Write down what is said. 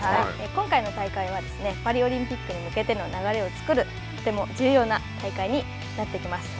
今回の大会はパリオリンピックに向けての流れを作るとても重要な大会になってきます。